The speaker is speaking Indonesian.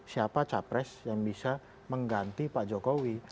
siapa capres yang bisa mengganti pak jokowi